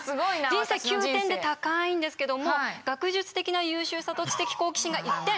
人生９点で高いんですけども学術的な優秀さと知的好奇心が１点。